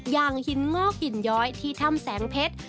อย่างหินงอกหินย้อยที่ถ้ำแสงเพชร